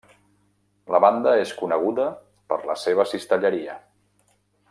La banda és coneguda per la seva cistelleria.